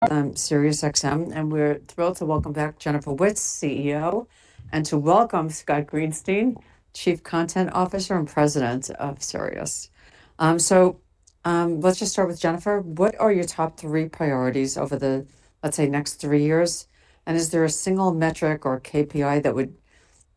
... SiriusXM, and we're thrilled to welcome back Jennifer Witz, CEO, and to welcome Scott Greenstein, Chief Content Officer and President of SiriusXM. So, let's just start with Jennifer. What are your top three priorities over the, let's say, next three years? And is there a single metric or KPI that would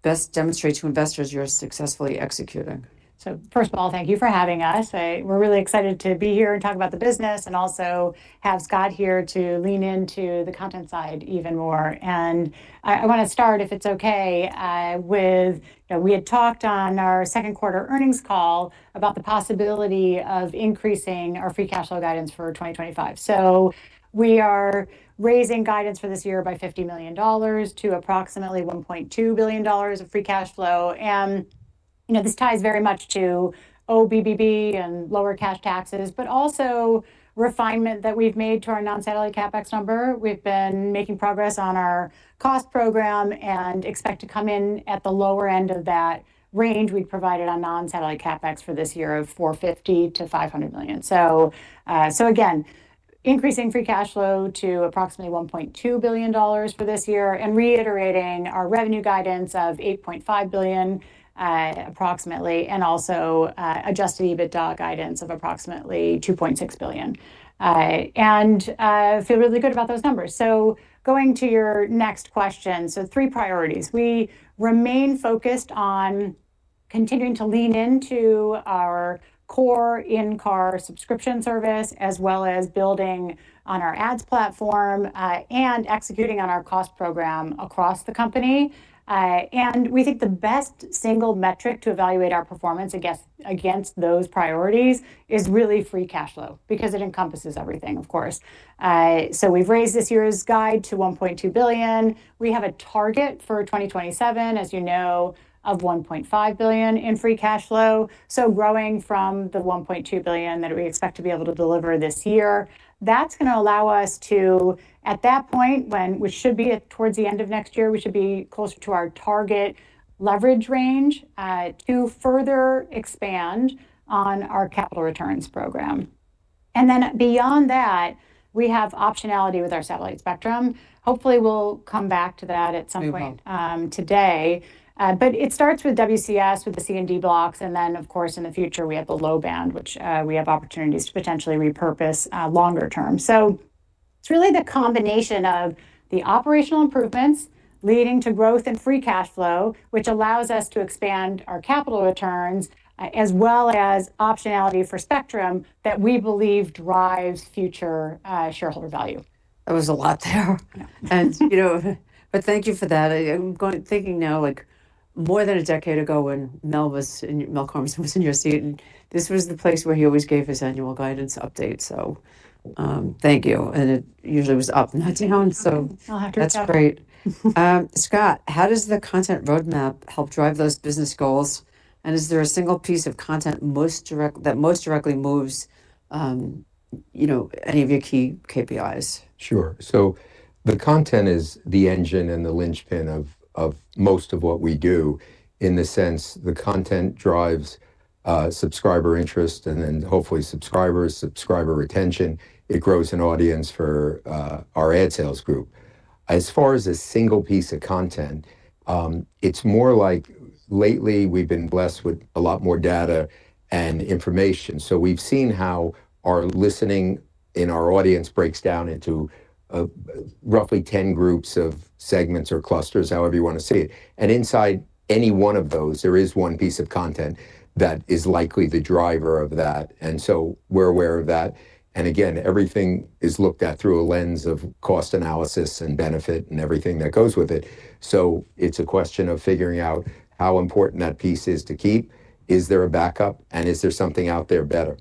best demonstrate to investors you're successfully executing? So first of all, thank you for having us. We're really excited to be here and talk about the business, and also have Scott here to lean into the content side even more. I want to start, if it's okay, with you know, we had talked on our second quarter earnings call about the possibility of increasing our free cash flow guidance for 2025. So we are raising guidance for this year by $50 million to approximately $1.2 billion of free cash flow. You know, this ties very much to OIBDA and lower cash taxes, but also refinement that we've made to our non-satellite CapEx number. We've been making progress on our cost program and expect to come in at the lower end of that range we've provided on non-satellite CapEx for this year of $450 million-$500 million. So again, increasing free cash flow to approximately $1.2 billion for this year, and reiterating our revenue guidance of $8.5 billion, approximately, and also adjusted EBITDA guidance of approximately $2.6 billion, and I feel really good about those numbers. Going to your next question, three priorities. We remain focused on continuing to lean into our core in-car subscription service, as well as building on our ads platform, and executing on our cost program across the company. And we think the best single metric to evaluate our performance against those priorities is really free cash flow, because it encompasses everything, of course. So we've raised this year's guide to $1.2 billion. We have a target for 2027, as you know, of $1.5 billion in free cash flow, so growing from the $1.2 billion that we expect to be able to deliver this year. That's gonna allow us to, at that point, when we should be at towards the end of next year, we should be closer to our target leverage range to further expand on our capital returns program. And then beyond that, we have optionality with our satellite spectrum. Hopefully, we'll come back to that at some point. We will... today, but it starts with WCS, with the C and D blocks, and then, of course, in the future, we have the low band, which we have opportunities to potentially repurpose longer term. So it's really the combination of the operational improvements leading to growth and free cash flow, which allows us to expand our capital returns as well as optionality for spectrum that we believe drives future shareholder value. That was a lot there. Yeah. You know, but thank you for that. I'm thinking now, like, more than a decade ago, when Mel was in, Mel Karmazin was in your seat, and this was the place where he always gave his annual guidance update, so, thank you. It usually was up, not down, so- I'll have to look up. That's great. Scott, how does the content roadmap help drive those business goals? And is there a single piece of content that most directly moves, you know, any of your key KPIs? Sure. So the content is the engine and the linchpin of most of what we do. In the sense, the content drives subscriber interest, and then hopefully subscriber retention. It grows an audience for our ad sales group. As far as a single piece of content, it's more like lately, we've been blessed with a lot more data and information. So we've seen how our listening in our audience breaks down into roughly 10 groups of segments or clusters, however you want to say it. And inside any one of those, there is one piece of content that is likely the driver of that, and so we're aware of that. And again, everything is looked at through a lens of cost analysis and benefit and everything that goes with it. It's a question of figuring out how important that piece is to keep, is there a backup, and is there something out there better?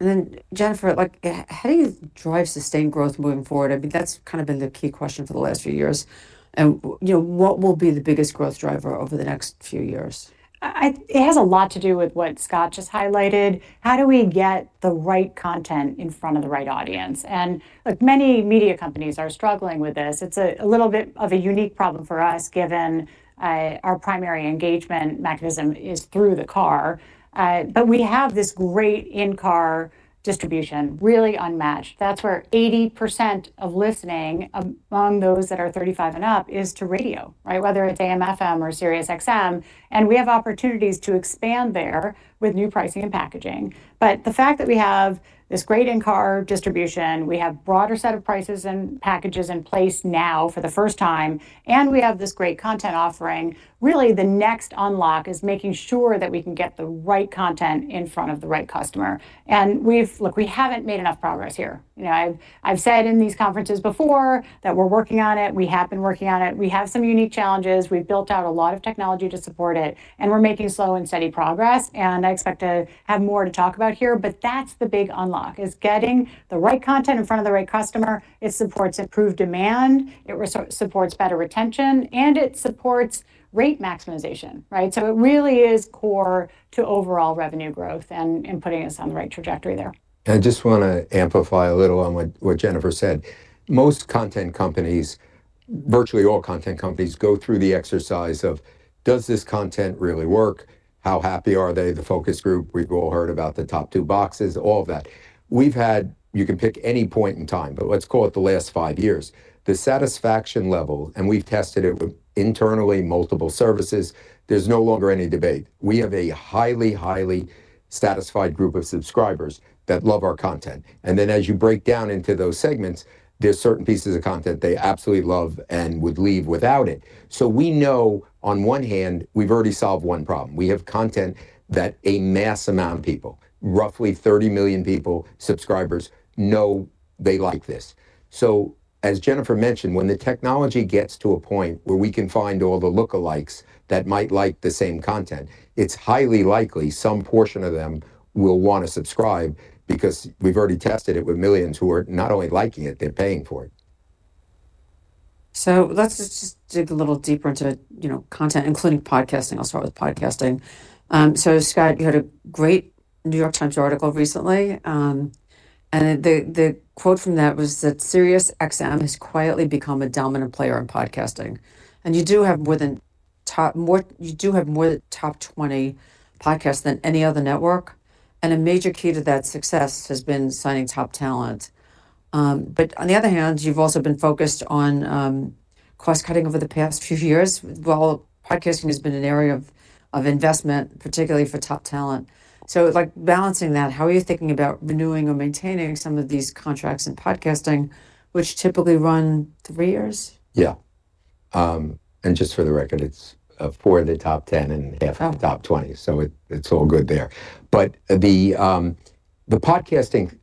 Then, Jennifer, like, how do you drive sustained growth moving forward? I mean, that's kind of been the key question for the last few years, and, you know, what will be the biggest growth driver over the next few years? It has a lot to do with what Scott just highlighted. How do we get the right content in front of the right audience? Like many media companies are struggling with this, it's a little bit of a unique problem for us, given our primary engagement mechanism is through the car. We have this great in-car distribution, really unmatched. That's where 80% of listening among those that are 35 and up is to radio, right? Whether it's AM/FM or SiriusXM, and we have opportunities to expand there with new pricing and packaging. But the fact that we have this great in-car distribution, we have broader set of prices and packages in place now for the first time, and we have this great content offering, really, the next unlock is making sure that we can get the right content in front of the right customer. And we've... Look, we haven't made enough progress here. You know, I've said in these conferences before that we're working on it. We have been working on it. We have some unique challenges. We've built out a lot of technology to support it, and we're making slow and steady progress, and I expect to have more to talk about here. But that's the big unlock, is getting the right content in front of the right customer. It supports improved demand, it supports better retention, and it supports rate maximization, right? So it really is core to overall revenue growth and putting us on the right trajectory there. I just want to amplify a little on what, what Jennifer said. Most content companies, virtually all content companies go through the exercise of, does this content really work? How happy are they, the focus group? We've all heard about the top two boxes, all of that. We've had, you can pick any point in time, but let's call it the last five years, the satisfaction level, and we've tested it with internally multiple services, there's no longer any debate. We have a highly, highly satisfied group of subscribers that love our content. And then as you break down into those segments, there's certain pieces of content they absolutely love and would leave without it. So we know, on one hand, we've already solved one problem. We have content that a mass amount of people, roughly 30 million people, subscribers, know they like this. So as Jennifer mentioned, when the technology gets to a point where we can find all the lookalikes that might like the same content, it's highly likely some portion of them will want to subscribe, because we've already tested it with millions who are not only liking it, they're paying for it. So let's just dig a little deeper into, you know, content, including podcasting. I'll start with podcasting. So Scott, you had a great New York Times article recently. And the quote from that was that, "SiriusXM has quietly become a dominant player in podcasting." And you do have more than top twenty podcasts than any other network, and a major key to that success has been signing top talent. But on the other hand, you've also been focused on cost-cutting over the past few years, while podcasting has been an area of investment, particularly for top talent. So, like, balancing that, how are you thinking about renewing or maintaining some of these contracts in podcasting, which typically run three years? Yeah, and just for the record, it's four of the top ten and- Oh... half of the top twenty, so it, it's all good there. But the podcasting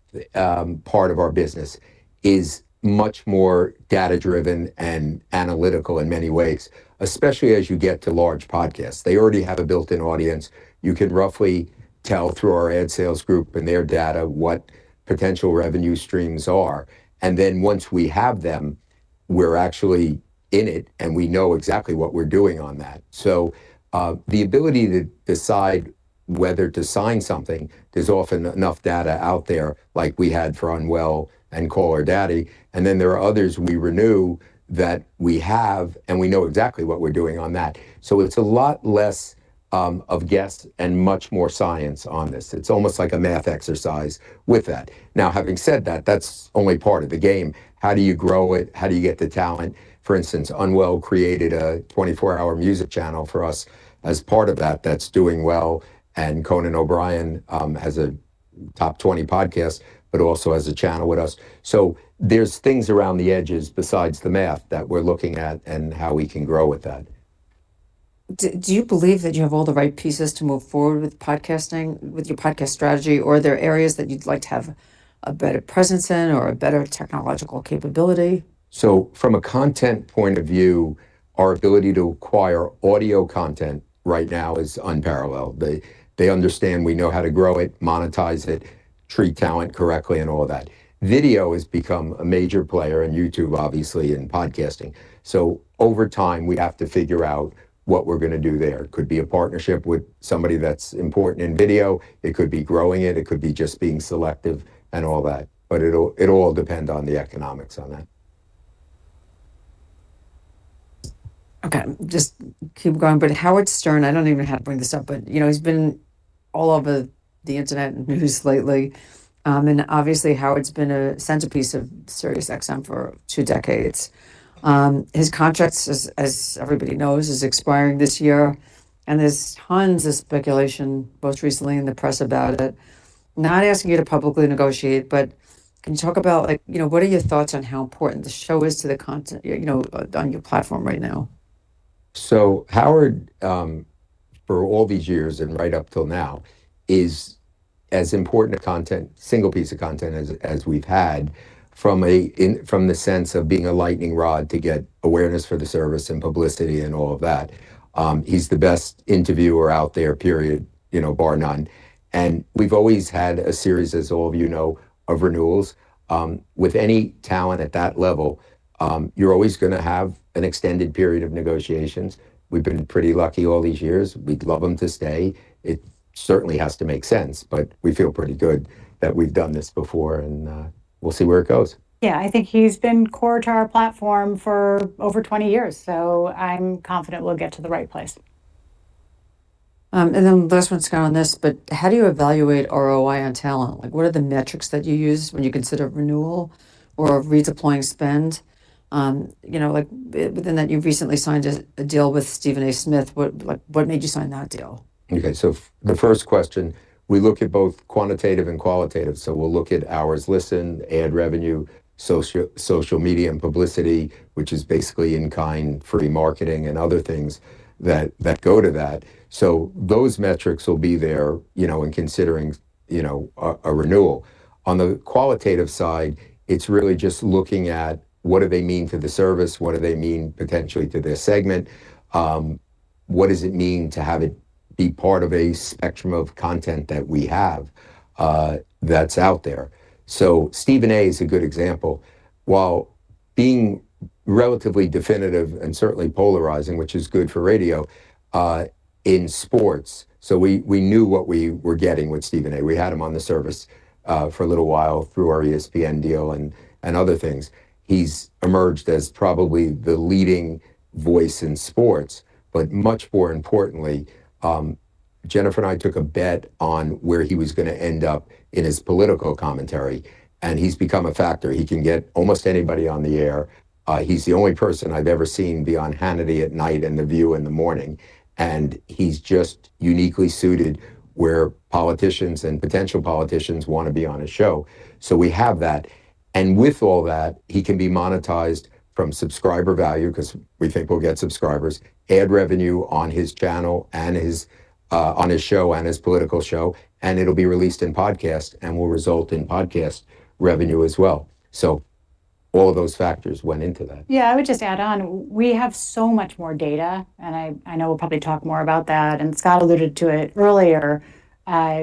part of our business is much more data-driven and analytical in many ways, especially as you get to large podcasts. They already have a built-in audience. You can roughly tell through our ad sales group and their data, what potential revenue streams are, and then once we have them, we're actually in it, and we know exactly what we're doing on that. So, the ability to decide whether to sign something, there's often enough data out there, like we had for Unwell and Call Her Daddy, and then there are others we renew that we have, and we know exactly what we're doing on that. So it's a lot less of guess and much more science on this. It's almost like a math exercise with that. Now, having said that, that's only part of the game. How do you grow it? How do you get the talent? For instance, Unwell created a twenty-four-hour music channel for us as part of that, that's doing well, and Conan O'Brien has a top twenty podcast, but also has a channel with us. So there's things around the edges besides the math that we're looking at and how we can grow with that. Do you believe that you have all the right pieces to move forward with podcasting, with your podcast strategy, or are there areas that you'd like to have a better presence in or a better technological capability? So from a content point of view, our ability to acquire audio content right now is unparalleled. They understand we know how to grow it, monetize it, treat talent correctly, and all of that. Video has become a major player, and YouTube, obviously, and podcasting. So over time, we have to figure out what we're gonna do there. Could be a partnership with somebody that's important in video. It could be growing it, it could be just being selective and all that, but it'll all depend on the economics on that. Okay, just keep going, but Howard Stern, I don't even know how to bring this up, but, you know, he's been all over the internet and news lately, and obviously, Howard's been a centerpiece of SiriusXM for two decades, his contract, as everybody knows, is expiring this year, and there's tons of speculation, most recently in the press, about it. Not asking you to publicly negotiate, but can you talk about, like, you know, what are your thoughts on how important the show is to the content, you know, on your platform right now? So Howard, for all these years and right up till now, is as important a content, single piece of content as we've had, from the sense of being a lightning rod to get awareness for the service and publicity and all of that. He's the best interviewer out there, period, you know, bar none. We've always had a series, as all of you know, of renewals. With any talent at that level, you're always gonna have an extended period of negotiations. We've been pretty lucky all these years. We'd love him to stay. It certainly has to make sense, but we feel pretty good that we've done this before, and we'll see where it goes. Yeah, I think he's been core to our platform for over 20 years, so I'm confident we'll get to the right place. And then last one, Scott, on this, but how do you evaluate ROI on talent? Like, what are the metrics that you use when you consider renewal or redeploying spend? You know, like, within that, you've recently signed a deal with Stephen A. Smith. What, like, what made you sign that deal? Okay, so for the first question, we look at both quantitative and qualitative. So we'll look at hours listened, ad revenue, social media and publicity, which is basically in-kind free marketing and other things that go to that. So those metrics will be there, you know, in considering, you know, a renewal. On the qualitative side, it's really just looking at what do they mean to the service? What do they mean potentially to this segment? What does it mean to have it be part of a spectrum of content that we have that's out there? So Stephen A. is a good example. While being relatively definitive and certainly polarizing, which is good for radio in sports, so we knew what we were getting with Stephen A. We had him on the service for a little while through our ESPN deal and other things. He's emerged as probably the leading voice in sports, but much more importantly, Jennifer and I took a bet on where he was gonna end up in his political commentary, and he's become a factor. He can get almost anybody on the air. He's the only person I've ever seen be on Hannity at night and The View in the morning, and he's just uniquely suited where politicians and potential politicians wanna be on his show. So we have that, and with all that, he can be monetized from subscriber value, 'cause we think we'll get subscribers, ad revenue on his channel and on his show and his political show, and it'll be released in podcast and will result in podcast revenue as well. So all of those factors went into that. Yeah, I would just add on, we have so much more data, and I know we'll probably talk more about that, and Scott alluded to it earlier.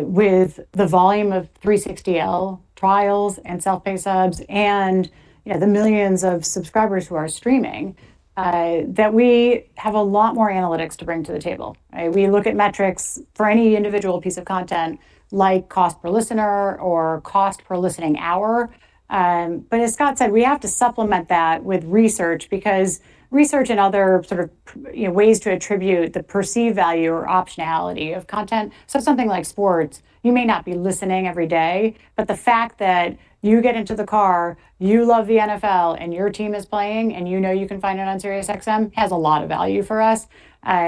With the volume of 360L trials and self-pay subs and, you know, the millions of subscribers who are streaming, that we have a lot more analytics to bring to the table, right? We look at metrics for any individual piece of content, like cost per listener or cost per listening hour. But as Scott said, we have to supplement that with research because research and other sort of, you know, ways to attribute the perceived value or optionality of content. So something like sports, you may not be listening every day, but the fact that you get into the car, you love the NFL, and your team is playing, and you know you can find it on SiriusXM, has a lot of value for us.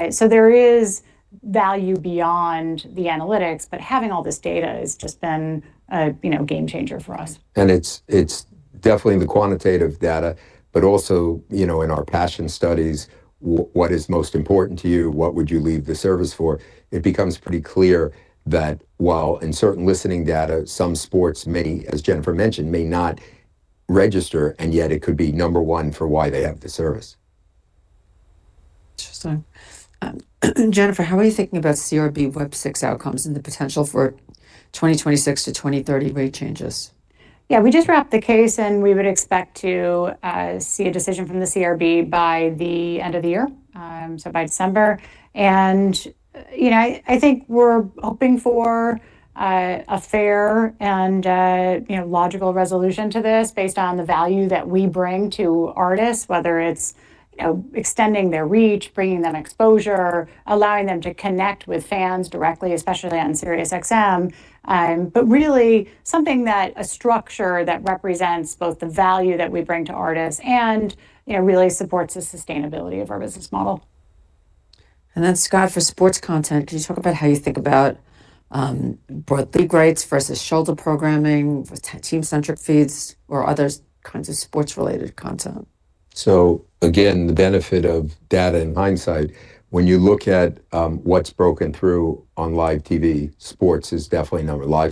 So there is value beyond the analytics, but having all this data has just been a, you know, game changer for us. It's, it's definitely the quantitative data, but also, you know, in our passion studies, what is most important to you? What would you leave the service for? It becomes pretty clear that while in certain listening data, some sports may, as Jennifer mentioned, not register, and yet it could be number one for why they have the service. Interesting. Jennifer, how are you thinking about CRB Web VI outcomes and the potential for 2026 to 2030 rate changes? Yeah, we just wrapped the case, and we would expect to see a decision from the CRB by the end of the year, so by December, and you know, I think we're hoping for a fair and logical resolution to this based on the value that we bring to artists, whether it's you know, extending their reach, bringing them exposure, allowing them to connect with fans directly, especially on SiriusXM, but really a structure that represents both the value that we bring to artists and you know, really supports the sustainability of our business model. Scott, for sports content, can you talk about how you think about broadly rights versus shoulder programming, team-centric feeds or other kinds of sports-related content? So again, the benefit of data in hindsight, when you look at what's broken through on live TV, live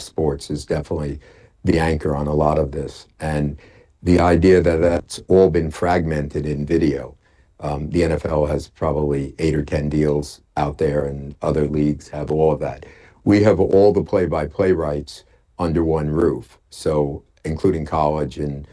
sports is definitely the anchor on a lot of this, and the idea that that's all been fragmented in video, the NFL has probably eight or 10 deals out there, and other leagues have all of that. We have all the play-by-play rights under one roof, so including college and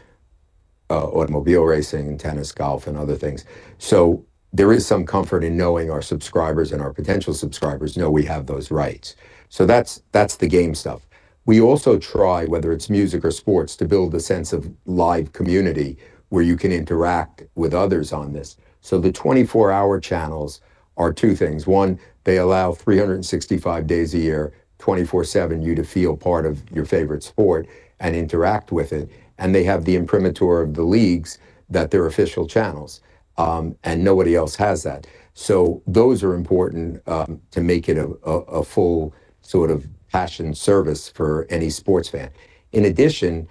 automobile racing and tennis, golf, and other things. So there is some comfort in knowing our subscribers and our potential subscribers know we have those rights. So that's, that's the game stuff. We also try, whether it's music or sports, to build a sense of live community where you can interact with others on this. So the twenty-four-hour channels are two things. One, they allow three hundred and sixty-five days a year, twenty-four seven, you to feel part of your favorite sport and interact with it, and they have the imprimatur of the leagues that they're official channels, and nobody else has that. So those are important, to make it a full sort of passion service for any sports fan. In addition,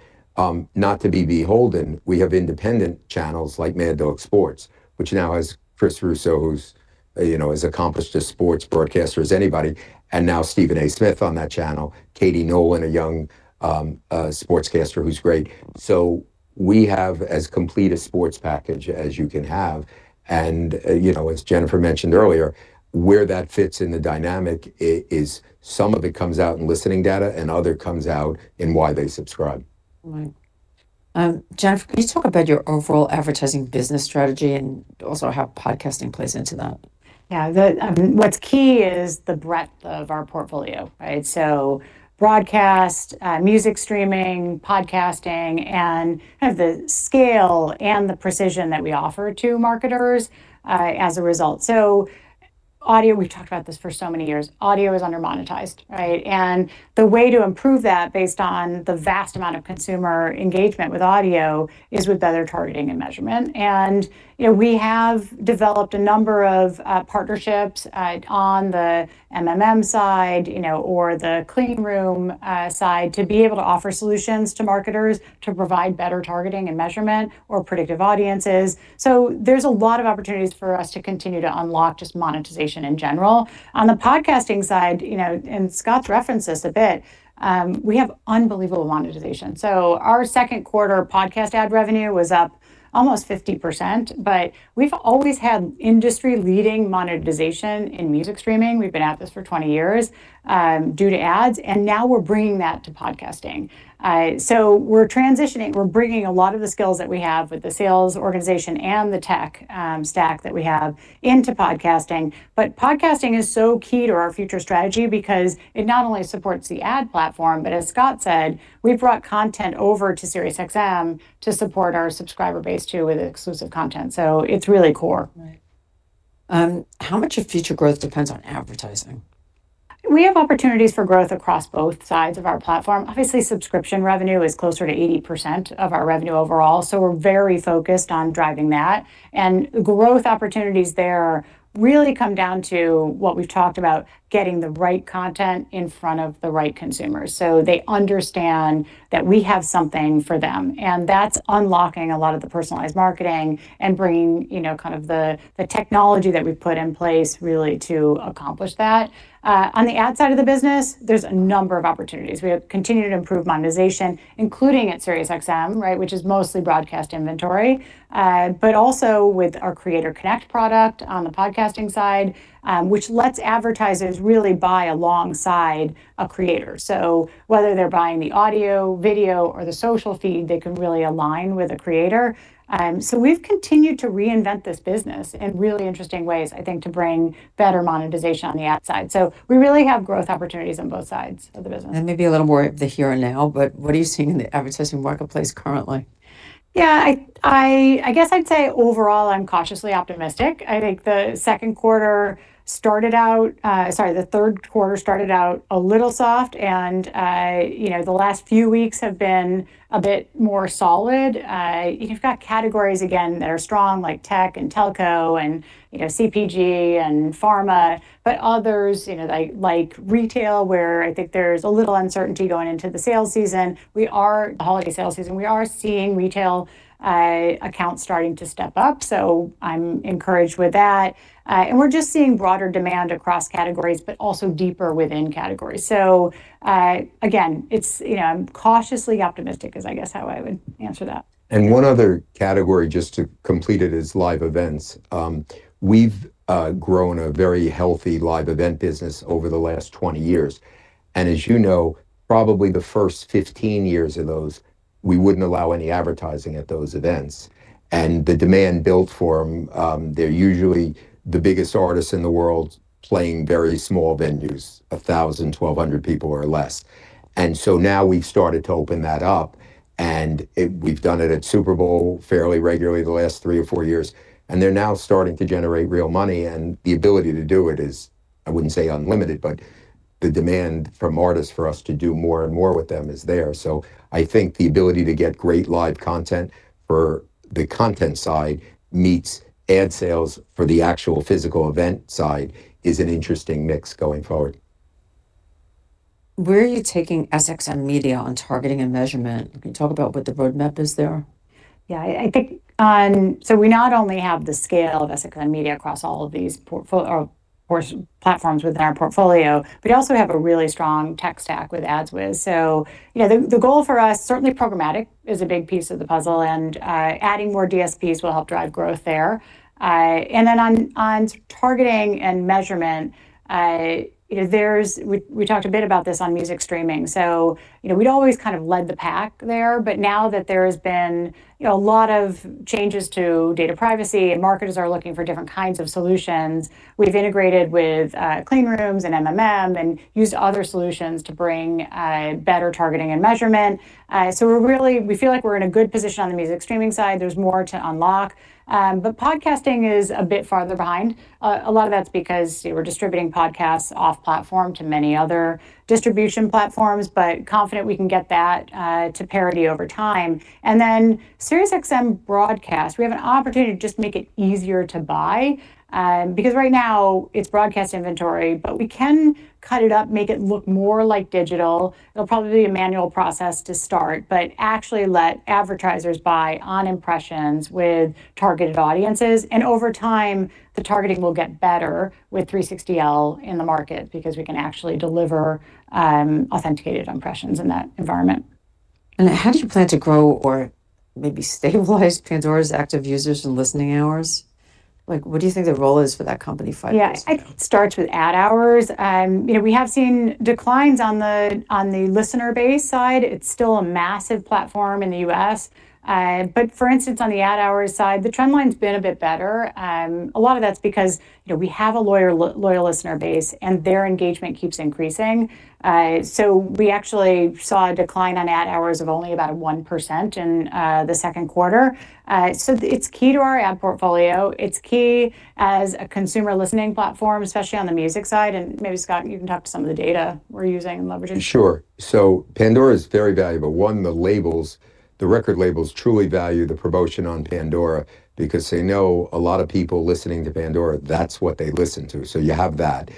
not to be beholden, we have independent channels like Mad Dog Sports, which now has Chris Russo, who's, you know, as accomplished a sports broadcaster as anybody, and now Stephen A. Smith on that channel, Katie Nolan, a young sportscaster who's great. So we have as complete a sports package as you can have, and, you know, as Jennifer mentioned earlier, where that fits in the dynamic. It is some of it comes out in listening data, and other comes out in why they subscribe. Right. Jennifer, can you talk about your overall advertising business strategy and also how podcasting plays into that? Yeah. The what's key is the breadth of our portfolio, right? So broadcast, music streaming, podcasting, and kind of the scale and the precision that we offer to marketers, as a result. So audio, we've talked about this for so many years, audio is under-monetized, right? And the way to improve that, based on the vast amount of consumer engagement with audio, is with better targeting and measurement. And, you know, we have developed a number of partnerships on the MMM side, you know, or the clean room side, to be able to offer solutions to marketers to provide better targeting and measurement or predictive audiences. So there's a lot of opportunities for us to continue to unlock just monetization in general. On the podcasting side, you know, and Scott's referenced this a bit, we have unbelievable monetization. So our second quarter podcast ad revenue was up almost 50%, but we've always had industry-leading monetization in music streaming. We've been at this for 20 years, due to ads, and now we're bringing that to podcasting. So we're transitioning. We're bringing a lot of the skills that we have with the sales organization and the tech stack that we have into podcasting. But podcasting is so key to our future strategy because it not only supports the ad platform, but as Scott said, we've brought content over to SiriusXM to support our subscriber base, too, with exclusive content. So it's really core.... how much of future growth depends on advertising? We have opportunities for growth across both sides of our platform. Obviously, subscription revenue is closer to 80% of our revenue overall, so we're very focused on driving that, and growth opportunities there really come down to what we've talked about, getting the right content in front of the right consumers, so they understand that we have something for them, and that's unlocking a lot of the personalized marketing and bringing, you know, kind of the technology that we've put in place really to accomplish that. On the ad side of the business, there's a number of opportunities. We have continued to improve monetization, including at SiriusXM, right, which is mostly broadcast inventory. But also with our Creator Connect product on the podcasting side, which lets advertisers really buy alongside a creator. So whether they're buying the audio, video, or the social feed, they can really align with a creator. So we've continued to reinvent this business in really interesting ways, I think, to bring better monetization on the ad side. So we really have growth opportunities on both sides of the business. Maybe a little more of the here and now, but what are you seeing in the advertising marketplace currently? Yeah, I guess I'd say overall, I'm cautiously optimistic. I think the second quarter started out, sorry, the third quarter started out a little soft, and, you know, the last few weeks have been a bit more solid. You've got categories again that are strong, like tech and telco and, you know, CPG and pharma, but others, you know, like retail, where I think there's a little uncertainty going into the sales season. The holiday sales season, we are seeing retail accounts starting to step up, so I'm encouraged with that. And we're just seeing broader demand across categories, but also deeper within categories. Again, it's, you know, I'm cautiously optimistic is I guess how I would answer that. One other category, just to complete it, is live events. We've grown a very healthy live event business over the last 20 years, and as you know, probably the first 15 years of those, we wouldn't allow any advertising at those events. The demand built for them. They're usually the biggest artists in the world, playing very small venues, 1,000, 1,200 people or less. Now we've started to open that up, and we've done it at Super Bowl fairly regularly the last three or four years, and they're now starting to generate real money, and the ability to do it is. I wouldn't say unlimited, but the demand from artists for us to do more and more with them is there. So I think the ability to get great live content for the content side, meets ad sales for the actual physical event side, is an interesting mix going forward. Where are you taking SXM Media on targeting and measurement? Can you talk about what the roadmap is there? Yeah, I think so we not only have the scale of SXM Media across all of these portfolio, of course, platforms within our portfolio, but we also have a really strong tech stack with AdsWizz. So, you know, the goal for us, certainly programmatic is a big piece of the puzzle, and adding more DSPs will help drive growth there. And then on targeting and measurement, you know, we talked a bit about this on music streaming. So, you know, we'd always kind of led the pack there, but now that there has been, you know, a lot of changes to data privacy, and marketers are looking for different kinds of solutions, we've integrated with clean rooms and MMM and used other solutions to bring better targeting and measurement. We feel like we're in a good position on the music streaming side. There's more to unlock, but podcasting is a bit farther behind. A lot of that's because, you know, we're distributing podcasts off platform to many other distribution platforms, but confident we can get that to parity over time. Then SiriusXM broadcast, we have an opportunity to just make it easier to buy, because right now it's broadcast inventory, but we can cut it up, make it look more like digital. It'll probably be a manual process to start, but actually let advertisers buy on impressions with targeted audiences, and over time, the targeting will get better with 360L in the market, because we can actually deliver authenticated impressions in that environment. How do you plan to grow or maybe stabilize Pandora's active users and listening hours? Like, what do you think the role is for that company five years from now? Yeah, it starts with ad hours. You know, we have seen declines on the listener base side. It's still a massive platform in the U.S. But for instance, on the ad hours side, the trend line's been a bit better. A lot of that's because, you know, we have a loyal listener base, and their engagement keeps increasing. So we actually saw a decline on ad hours of only about 1% in the second quarter. So it's key to our ad portfolio. It's key as a consumer listening platform, especially on the music side. And maybe, Scott, you can talk to some of the data we're using and leveraging. Sure. So Pandora is very valuable. One, the labels, the record labels truly value the promotion on Pandora because they know a lot of people listening to Pandora, that's what they listen to. So you have that.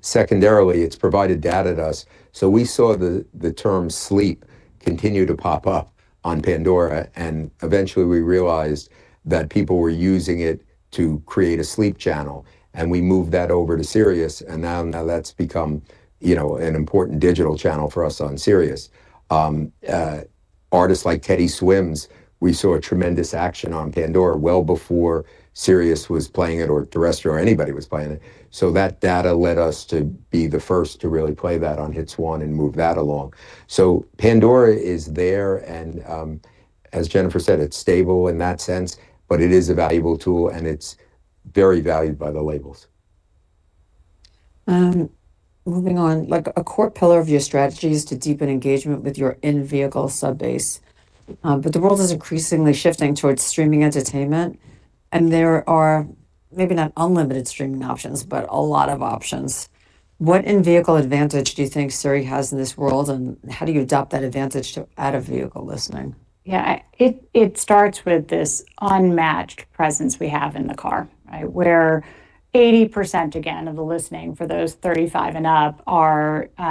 Secondarily, it's provided data to us. So we saw the term sleep continue to pop up on Pandora, and eventually we realized that people were using it to create a sleep channel, and we moved that over to Sirius, and now that's become, you know, an important digital channel for us on Sirius. Artists like Teddy Swims, we saw a tremendous action on Pandora well before Sirius was playing it or terrestrial or anybody was playing it. So that data led us to be the first to really play that on Hits 1 and move that along. Pandora is there, and, as Jennifer said, it's stable in that sense, but it is a valuable tool, and it's very valued by the labels.... Moving on, like, a core pillar of your strategy is to deepen engagement with your in-vehicle sub base. But the world is increasingly shifting towards streaming entertainment, and there are maybe not unlimited streaming options, but a lot of options. What in-vehicle advantage do you think Sirius has in this world, and how do you adopt that advantage to out-of-vehicle listening? Yeah, it starts with this unmatched presence we have in the car, right? Where 80%, again, of the listening for those 35 and up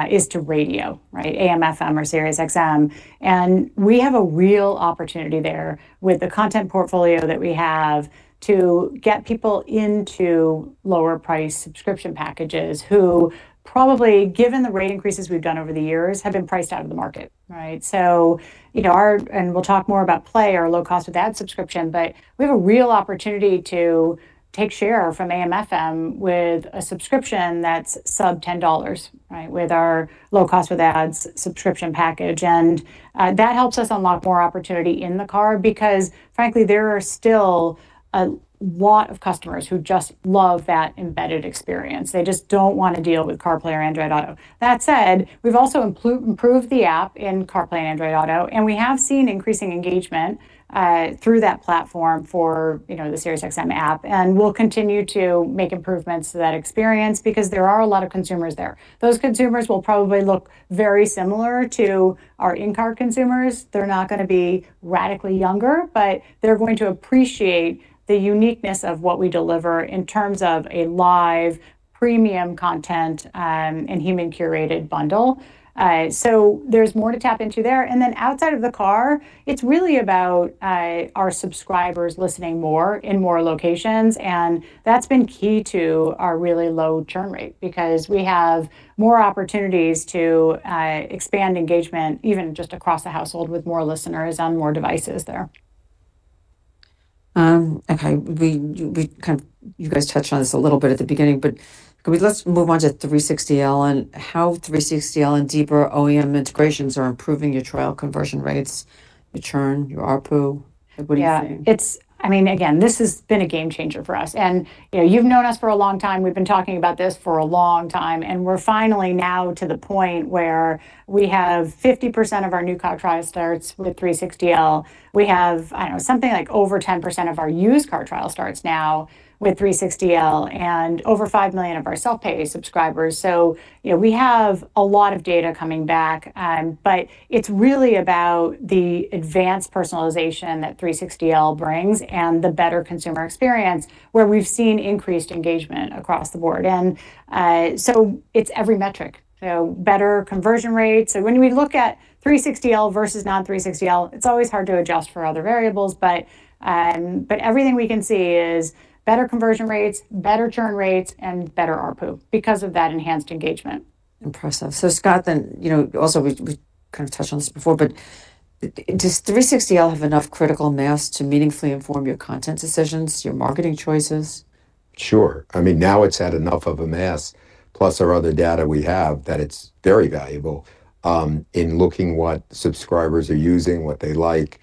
is to radio, right? AM/FM or SiriusXM. And we have a real opportunity there with the content portfolio that we have to get people into lower-priced subscription packages, who probably, given the rate increases we've done over the years, have been priced out of the market, right? So, you know, our... And we'll talk more about Play, our low-cost with ad subscription, but we have a real opportunity to take share from AM/FM with a subscription that's sub-$10, right? With our low cost with ads subscription package. And that helps us unlock more opportunity in the car because, frankly, there are still a lot of customers who just love that embedded experience. They just don't want to deal with CarPlay or Android Auto. That said, we've also improved the app in CarPlay and Android Auto, and we have seen increasing engagement through that platform for, you know, the SiriusXM app. And we'll continue to make improvements to that experience because there are a lot of consumers there. Those consumers will probably look very similar to our in-car consumers. They're not gonna be radically younger, but they're going to appreciate the uniqueness of what we deliver in terms of a live, premium content and human-curated bundle, so there's more to tap into there. And then outside of the car, it's really about our subscribers listening more in more locations, and that's been key to our really low churn rate. Because we have more opportunities to expand engagement, even just across the household, with more listeners on more devices there. Okay. You guys kind of touched on this a little bit at the beginning, but let's move on to 360L, and how 360L and deeper OEM integrations are improving your trial conversion rates, your churn, your ARPU. What do you think? Yeah, it's. I mean, again, this has been a game changer for us. And, you know, you've known us for a long time, we've been talking about this for a long time, and we're finally now to the point where we have 50% of our new car trial starts with 360L. We have, I don't know, something like over 10% of our used car trial starts now with 360L, and over 5 million of our self-pay subscribers. So, you know, we have a lot of data coming back, but it's really about the advanced personalization that 360L brings and the better consumer experience, where we've seen increased engagement across the board. And, so it's every metric. So better conversion rates. So when we look at 360L versus non-360L, it's always hard to adjust for other variables, but everything we can see is better conversion rates, better churn rates, and better ARPU because of that enhanced engagement. Impressive. So, Scott, then, you know, also, we kind of touched on this before, but does 360L have enough critical mass to meaningfully inform your content decisions, your marketing choices? Sure. I mean, now it's had enough of a mass, plus our other data we have, that it's very valuable in looking what subscribers are using, what they like,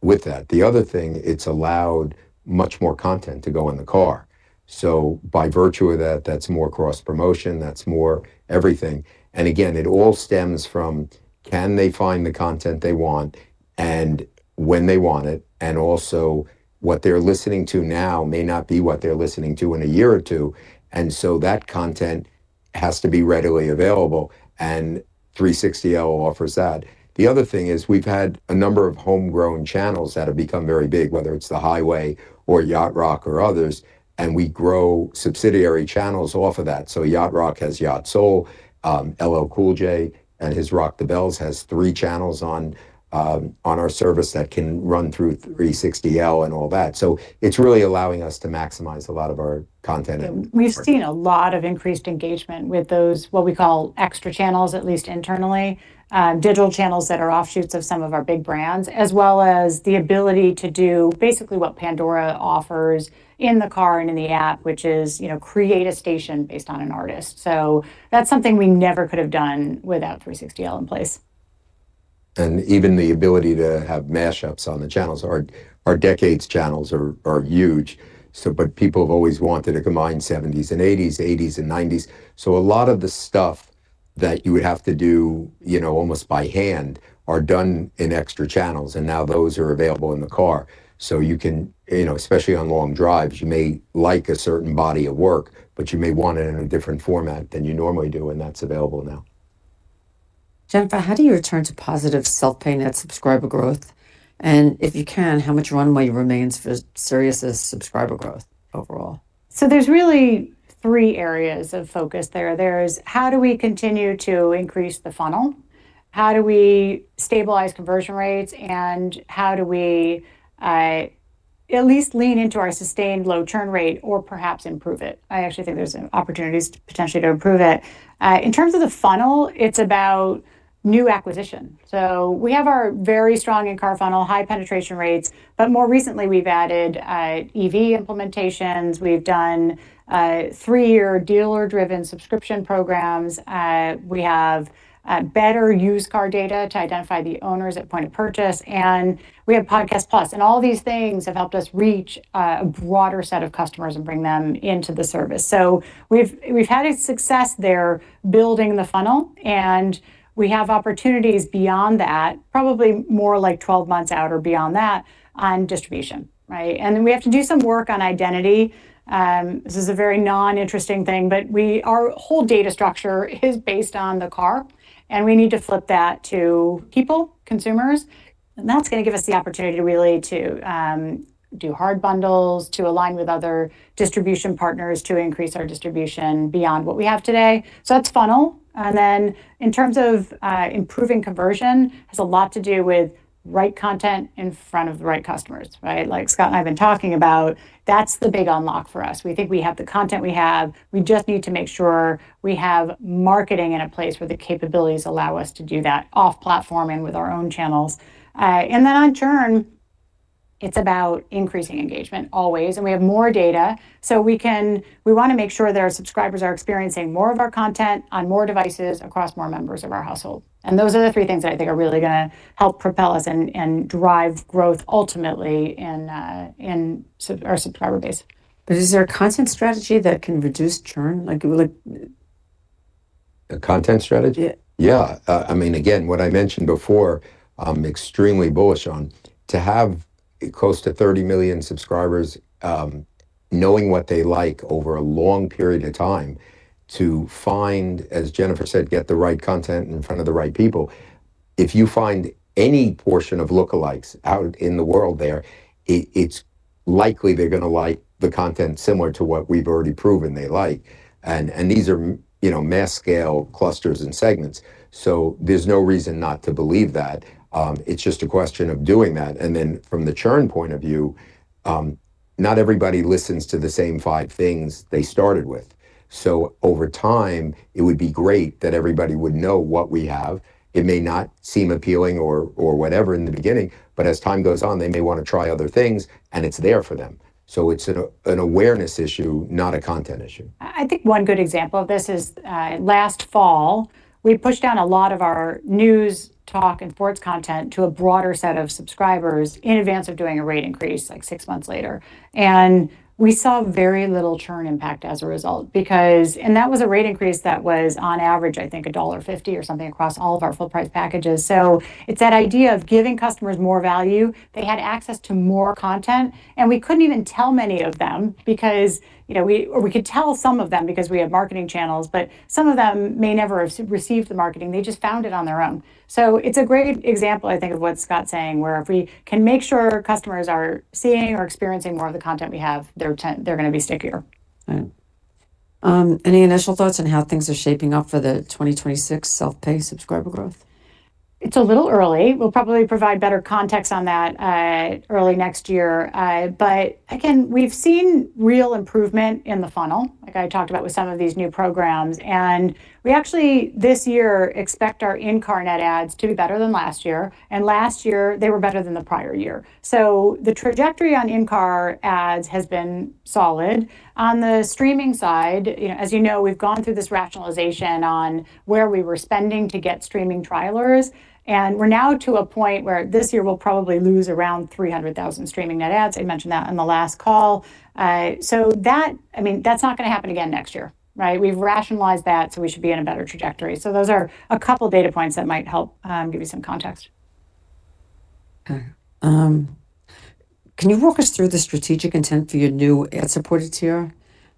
with that. The other thing, it's allowed much more content to go in the car. So by virtue of that, that's more cross-promotion, that's more everything. And again, it all stems from: Can they find the content they want, and when they want it? And also, what they're listening to now may not be what they're listening to in a year or two, and so that content has to be readily available, and 360L offers that. The other thing is, we've had a number of homegrown channels that have become very big, whether it's The Highway or Yacht Rock or others, and we grow subsidiary channels off of that. So Yacht Rock has Yacht Soul, LL Cool J and his Rock the Bells has three channels on our service that can run through 360L and all that. So it's really allowing us to maximize a lot of our content and- We've seen a lot of increased engagement with those, what we call extra channels, at least internally. Digital channels that are offshoots of some of our big brands, as well as the ability to do basically what Pandora offers in the car and in the app, which is, you know, create a station based on an artist. So that's something we never could have done without 360L in place. And even the ability to have mashups on the channels. Our decades channels are huge, so but people have always wanted to combine '70s and '80s, '80s and '90s. So a lot of the stuff that you would have to do, you know, almost by hand, are done in extra channels, and now those are available in the car. So you can, you know, especially on long drives, you may like a certain body of work, but you may want it in a different format than you normally do, and that's available now. Jennifer, how do you return to positive self-pay net subscriber growth? And if you can, how much runway remains for Sirius's subscriber growth overall? So there's really three areas of focus there. There's how do we continue to increase the funnel? How do we stabilize conversion rates, and how do we at least lean into our sustained low churn rate or perhaps improve it. I actually think there's opportunities potentially to improve it. In terms of the funnel, it's about new acquisition. So we have our very strong in-car funnel, high penetration rates, but more recently we've added EV implementations. We've done three-year dealer-driven subscription programs. We have better used car data to identify the owners at point of purchase, and we have Podcasts+. And all these things have helped us reach a broader set of customers and bring them into the service. So we've had a success there building the funnel, and we have opportunities beyond that, probably more like 12 months out or beyond that, on distribution, right? And then we have to do some work on identity. This is a very non-interesting thing, but our whole data structure is based on the car, and we need to flip that to people, consumers. And that's gonna give us the opportunity really to do hard bundles, to align with other distribution partners, to increase our distribution beyond what we have today. So that's funnel. And then in terms of improving conversion, has a lot to do with right content in front of the right customers, right? Like Scott and I have been talking about, that's the big unlock for us. We think we have the content we have. We just need to make sure we have marketing in a place where the capabilities allow us to do that, off-platform and with our own channels. And then on churn, it's about increasing engagement always, and we have more data. So we wanna make sure that our subscribers are experiencing more of our content on more devices across more members of our household. And those are the three things that I think are really gonna help propel us and drive growth ultimately in our subscriber base. But is there a content strategy that can reduce churn, like really...? A content strategy? Yeah. Yeah, I mean, again, what I mentioned before, I'm extremely bullish on, to have close to 30 million subscribers, knowing what they like over a long period of time, to find, as Jennifer said, get the right content in front of the right people. If you find any portion of lookalikes out in the world there, it's likely they're gonna like the content similar to what we've already proven they like. And these are, you know, mass scale clusters and segments, so there's no reason not to believe that. It's just a question of doing that. And then from the churn point of view, not everybody listens to the same five things they started with. So over time, it would be great that everybody would know what we have. It may not seem appealing or whatever in the beginning, but as time goes on, they may wanna try other things, and it's there for them. So it's an awareness issue, not a content issue. I think one good example of this is last fall, we pushed down a lot of our news, talk, and sports content to a broader set of subscribers in advance of doing a rate increase, like six months later. We saw very little churn impact as a result because that was a rate increase that was, on average, I think, $1.50 or something across all of our full-price packages. So it's that idea of giving customers more value. They had access to more content, and we couldn't even tell many of them because, you know, we... Or we could tell some of them because we have marketing channels, but some of them may never have received the marketing. They just found it on their own. It's a great example, I think, of what Scott's saying, where if we can make sure customers are seeing or experiencing more of the content we have, they're gonna be stickier. Right. Any initial thoughts on how things are shaping up for the 2026 self-pay subscriber growth? It's a little early. We'll probably provide better context on that early next year, but again, we've seen real improvement in the funnel, like I talked about with some of these new programs, and we actually this year expect our in-car net ads to be better than last year, and last year they were better than the prior year, so the trajectory on in-car ads has been solid. On the streaming side, you know, as you know, we've gone through this rationalization on where we were spending to get streaming trialers, and we're now to a point where this year we'll probably lose around 300,000 streaming net ads. I mentioned that in the last call, so that, I mean, that's not gonna happen again next year, right? We've rationalized that, so we should be in a better trajectory. Those are a couple data points that might help give you some context. Okay. Can you walk us through the strategic intent for your new ad-supported tier,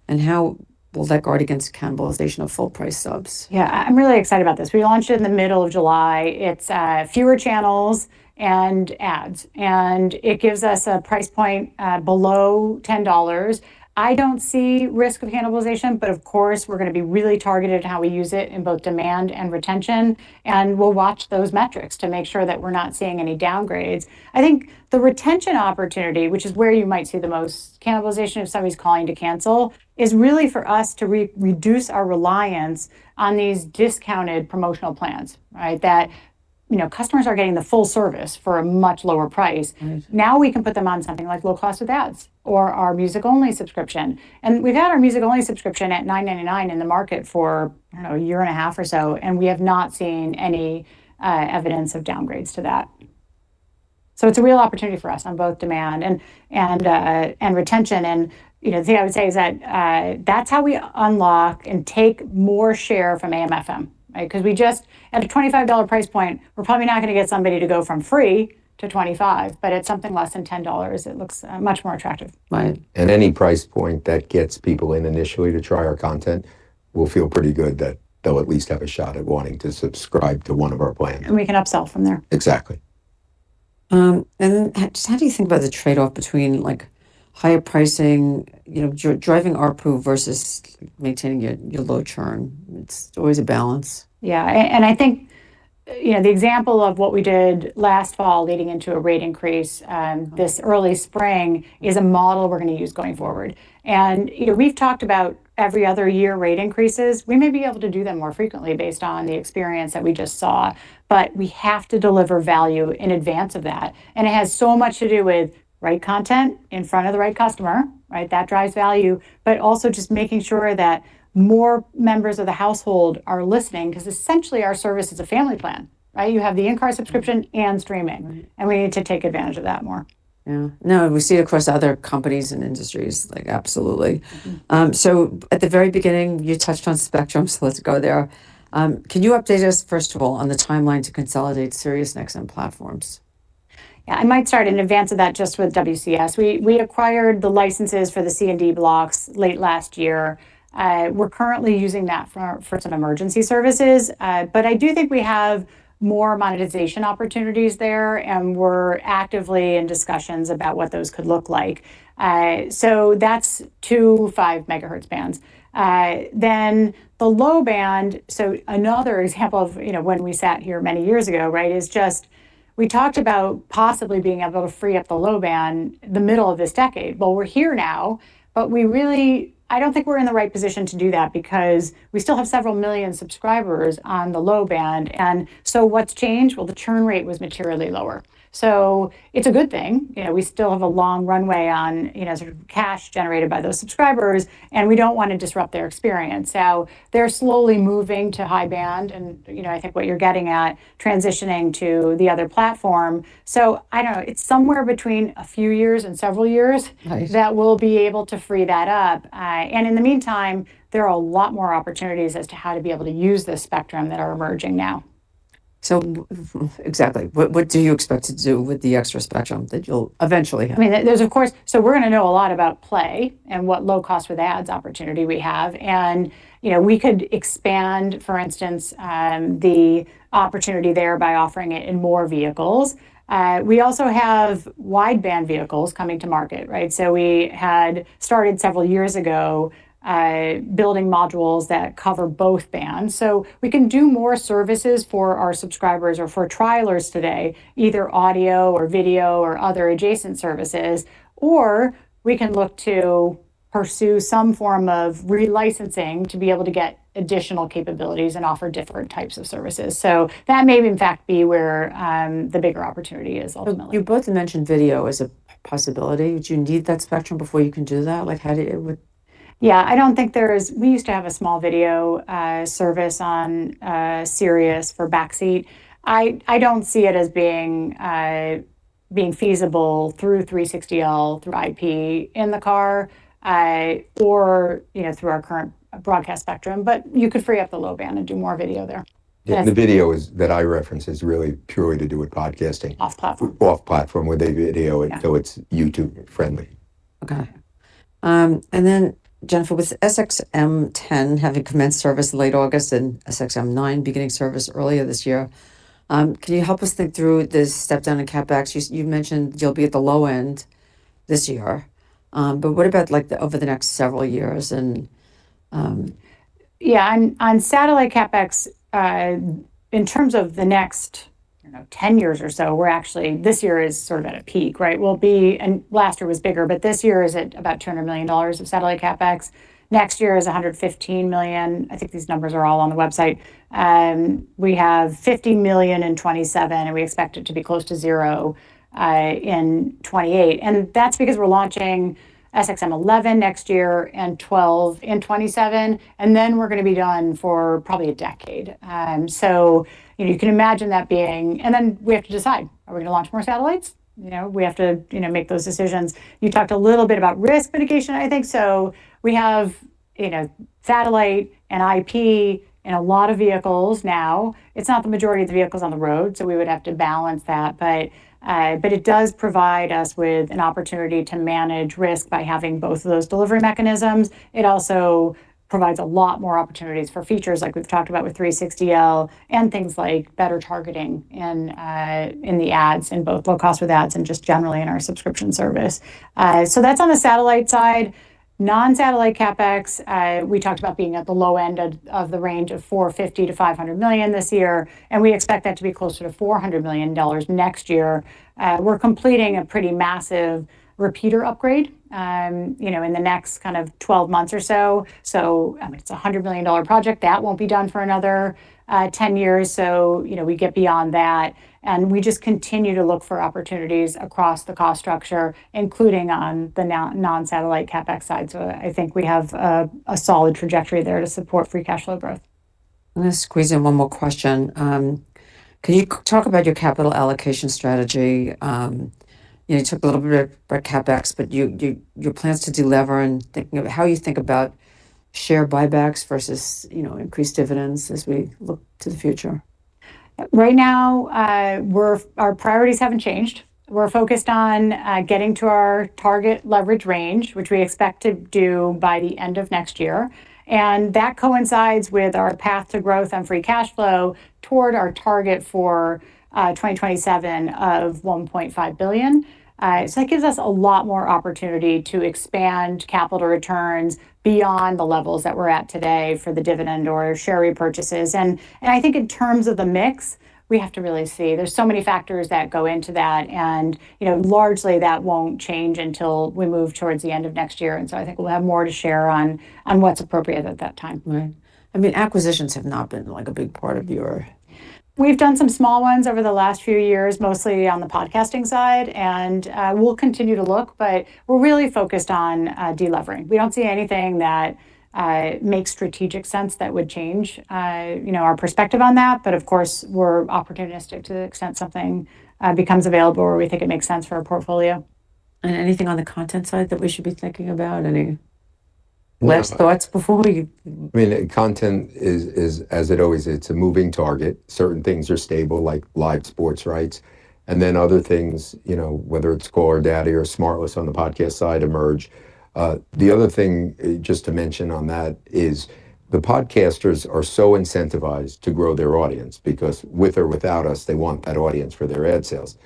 and how will that guard against the cannibalization of full-price subs? Yeah. I'm really excited about this. We launched it in the middle of July. It's fewer channels and ads, and it gives us a price point below $10. I don't see risk of cannibalization, but of course, we're gonna be really targeted in how we use it in both demand and retention, and we'll watch those metrics to make sure that we're not seeing any downgrades. I think the retention opportunity, which is where you might see the most cannibalization if somebody's calling to cancel, is really for us to reduce our reliance on these discounted promotional plans, right? That, you know, customers are getting the full service for a much lower price. Right. Now, we can put them on something like low cost with ads or our music-only subscription. And we've had our music-only subscription at $9.99 in the market for, I don't know, a year and a half or so, and we have not seen any evidence of downgrades to that. So it's a real opportunity for us on both demand and retention. And, you know, the thing I would say is that that's how we unlock and take more share from AM/FM, right? 'Cause we just... At a $25 price point, we're probably not gonna get somebody to go from free to $25, but at something less than $10, it looks much more attractive. Right. Any price point that gets people in initially to try our content, we'll feel pretty good that they'll at least have a shot at wanting to subscribe to one of our plans. We can upsell from there. Exactly. And then, just how do you think about the trade-off between, like higher pricing, you know, driving ARPU versus maintaining your low churn? It's always a balance. Yeah, and I think, you know, the example of what we did last fall leading into a rate increase this early spring is a model we're gonna use going forward. And, you know, we've talked about every other year rate increases. We may be able to do them more frequently based on the experience that we just saw, but we have to deliver value in advance of that, and it has so much to do with right content in front of the right customer, right? That drives value, but also just making sure that more members of the household are listening, 'cause essentially our service is a family plan, right? You have the in-car subscription and streaming- Right. And we need to take advantage of that more. Yeah. No, we see across other companies and industries, like, absolutely. Mm. So at the very beginning, you touched on spectrum, so let's go there. Can you update us, first of all, on the timeline to consolidate SiriusXM platforms? Yeah, I might start in advance of that just with WCS. We acquired the licenses for the C Block and D Block late last year. We're currently using that for some emergency services, but I do think we have more monetization opportunities there, and we're actively in discussions about what those could look like. So that's two five megahertz bands. Then the low band, so another example of, you know, when we sat here many years ago, right, is just we talked about possibly being able to free up the low band the middle of this decade. Well, we're here now, but we really... I don't think we're in the right position to do that because we still have several million subscribers on the low band. And so what's changed? Well, the churn rate was materially lower, so it's a good thing. You know, we still have a long runway on, you know, sort of cash generated by those subscribers, and we don't want to disrupt their experience. So they're slowly moving to high band and, you know, I think what you're getting at, transitioning to the other platform. So I don't know. It's somewhere between a few years and several years- Nice... that we'll be able to free that up, and in the meantime, there are a lot more opportunities as to how to be able to use this spectrum that are emerging now. Exactly, what do you expect to do with the extra spectrum that you'll eventually have? I mean, there's, of course. So we're gonna know a lot about Pandora and what low cost with ads opportunity we have, and, you know, we could expand, for instance, the opportunity there by offering it in more vehicles. We also have wideband vehicles coming to market, right? So we had started several years ago, building modules that cover both bands. So we can do more services for our subscribers or for trialers today, either audio or video or other adjacent services, or we can look to pursue some form of relicensing to be able to get additional capabilities and offer different types of services. So that may, in fact, be where the bigger opportunity is ultimately. You both mentioned video as a possibility. Do you need that spectrum before you can do that? Like, how do you... Would- Yeah, I don't think there's... We used to have a small video service on Sirius for backseat. I don't see it as being feasible through 360L, through IP in the car, or, you know, through our current broadcast spectrum, but you could free up the low band and do more video there. Yes. Yeah, the video that I reference is really purely to do with podcasting. Off platform. Off platform, where they video it- Yeah... so it's YouTube friendly. Okay, and then Jennifer, with SXM-10 having commenced service late August and SXM-9 beginning service earlier this year, can you help us think through the step down in CapEx? You mentioned you'll be at the low end this year, but what about, like, over the next several years and- Yeah, on satellite CapEx, in terms of the next, I don't know, ten years or so, we're actually this year is sort of at a peak, right? And last year was bigger, but this year is at about $200 million of satellite CapEx. Next year is $115 million. I think these numbers are all on the website. We have $50 million in 2027, and we expect it to be close to zero in 2028, and that's because we're launching SXM-11 next year and 12 in 2027, and then we're gonna be done for probably a decade. So, you know, you can imagine that being. And then we have to decide, are we gonna launch more satellites? You know, we have to, you know, make those decisions. You talked a little bit about risk mitigation, I think. So we have, you know, satellite and IP in a lot of vehicles now. It's not the majority of the vehicles on the road, so we would have to balance that. But it does provide us with an opportunity to manage risk by having both of those delivery mechanisms. It also provides a lot more opportunities for features, like we've talked about with 360L and things like better targeting and in the ads, in both low cost with ads and just generally in our subscription service. So that's on the satellite side. Non-satellite CapEx, we talked about being at the low end of the range of $450 to $500 million this year, and we expect that to be closer to $400 million next year. We're completing a pretty massive repeater upgrade, you know, in the next kind of twelve months or so. It's a $100 million project that won't be done for another ten years, so, you know, we get beyond that, and we just continue to look for opportunities across the cost structure, including on the now non-satellite CapEx side. I think we have a solid trajectory there to support free cash flow growth. I'm gonna squeeze in one more question. Can you talk about your capital allocation strategy? You know, you took a little bit about CapEx, but you, your plans to delever and thinking of how you think about share buybacks versus, you know, increased dividends as we look to the future.... Right now, our priorities haven't changed. We're focused on getting to our target leverage range, which we expect to do by the end of next year, and that coincides with our path to growth and free cash flow toward our target for 2027 of $1.5 billion. So that gives us a lot more opportunity to expand capital returns beyond the levels that we're at today for the dividend or share repurchases. And I think in terms of the mix, we have to really see. There's so many factors that go into that, and you know, largely, that won't change until we move towards the end of next year, and so I think we'll have more to share on what's appropriate at that time. Right. I mean, acquisitions have not been, like, a big part of your- We've done some small ones over the last few years, mostly on the podcasting side, and we'll continue to look, but we're really focused on delevering. We don't see anything that makes strategic sense that would change, you know, our perspective on that. But, of course, we're opportunistic to the extent something becomes available or we think it makes sense for our portfolio. Anything on the content side that we should be thinking about? Any last thoughts before we- I mean, content is as it always, it's a moving target. Certain things are stable, like live sports rights, and then other things, you know, whether it's Call Her Daddy or SmartLess on the podcast side. The other thing, just to mention on that, is the podcasters are so incentivized to grow their audience because with or without us, they want that audience for their ad sales.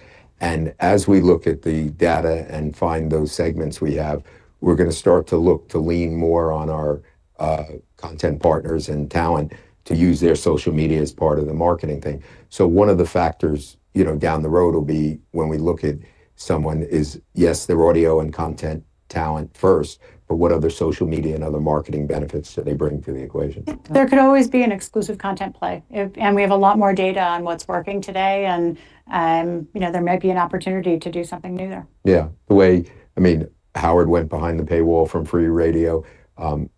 And as we look at the data and find those segments we have, we're gonna start to look to lean more on our content partners and talent to use their social media as part of the marketing thing. So one of the factors, you know, down the road will be when we look at someone is, yes, they're audio and content talent first, but what other social media and other marketing benefits do they bring to the equation? There could always be an exclusive content play. We have a lot more data on what's working today, and, you know, there might be an opportunity to do something new there. Yeah. The way... I mean, Howard went behind the paywall from free radio.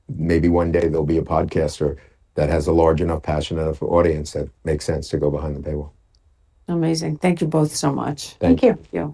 Maybe one day there'll be a podcaster that has a large enough, passionate enough audience that makes sense to go behind the paywall. Amazing. Thank you both so much. Thank you. Thank you.